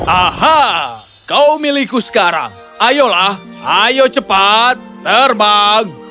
aha kau milikku sekarang ayolah ayo cepat terbang